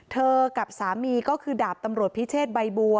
กับสามีก็คือดาบตำรวจพิเชษใบบัว